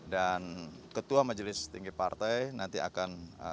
dan ketua majelis tinggi partai nanti akan berbicara